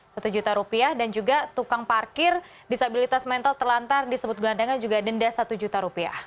rp satu juta dan juga tukang parkir disabilitas mental terlantar disebut gelandangnya juga denda rp satu juta